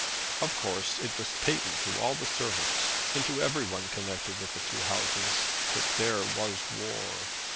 Of course it was patent to all the servants, and to every one connected with the two houses, that there was war.